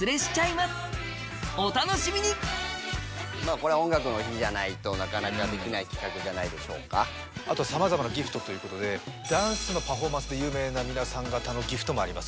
これは「音楽の日」じゃないとなかなかできない企画じゃないでしょうかあと様々なギフトということでダンスのパフォーマンスで有名な皆さん方のギフトもあります